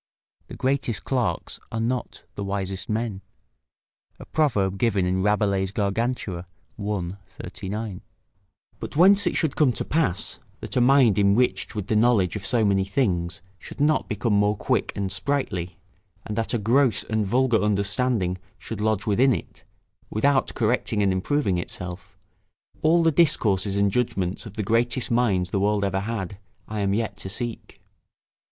["The greatest clerks are not the wisest men." A proverb given in Rabelais' Gargantua, i. 39.] But whence it should come to pass, that a mind enriched with the knowledge of so many things should not become more quick and sprightly, and that a gross and vulgar understanding should lodge within it, without correcting and improving itself, all the discourses and judgments of the greatest minds the world ever had, I am yet to seek.